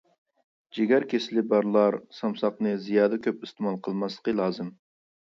جىگەر كېسىلى بارلار سامساقنى زىيادە كۆپ ئىستېمال قىلماسلىقى لازىم.